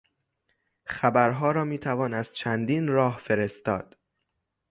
خبرها را میتوان از چندین راه فرستاد.